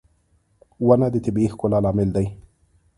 • ونه د طبيعي ښکلا لامل دی.